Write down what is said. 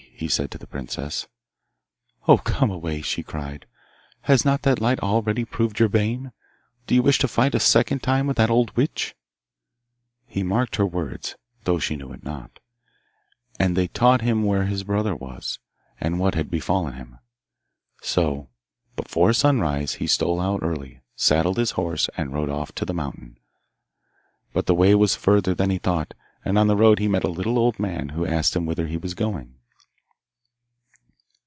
he said to the princess. 'Oh, come away,' she cried; 'has not that light already proved your bane? Do you wish to fight a second time with that old witch?' He marked her words, though she knew it not, and they taught him where his brother was, and what had befallen him. So before sunrise he stole out early, saddled his horse, and rode off to the mountain. But the way was further than he thought, and on the road he met a little old man who asked him whither he was going.